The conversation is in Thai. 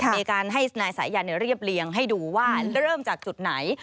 มีการให้นายสายันเรียบเรียงให้ดูว่าเริ่มจากจุดไหน